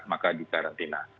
maka di karantina